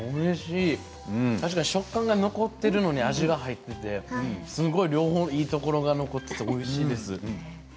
確かに食感が残っているのに味が入っていていいところが両方残っていておいしいです。